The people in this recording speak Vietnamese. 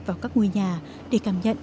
vào các ngôi nhà để cảm nhận